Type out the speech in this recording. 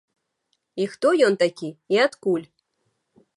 І хто ён такі і адкуль?